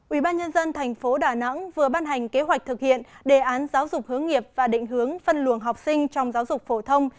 ubnd tp đà nẵng vừa ban hành kế hoạch thực hiện đề án giáo dục hướng nghiệp và định hướng phân luồng học sinh trong giáo dục phổ thông